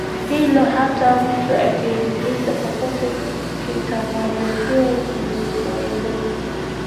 hilo hata mtu akiniuliza popote nitamweleza na nilivyoeleza